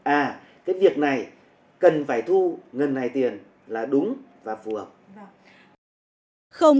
à cái việc này cần phải thu ngân này tiền là đúng và phù hợp